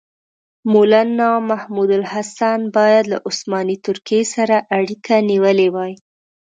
مولنا محمودالحسن باید له عثماني ترکیې سره اړیکه نیولې وای.